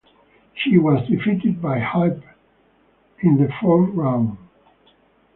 She was defeated by Halep in the fourth round.